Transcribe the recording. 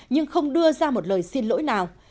nhưng không đưa ra một lời xin lỗi nào